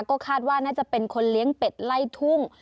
ก็คาดว่าน่าจะเป็นคนเลี้ยงเป็ดไล่ทุ่ง